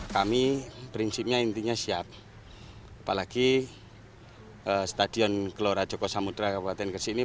kami prinsipnya intinya siap apalagi stadion gelora joko samudera kabupaten gresik ini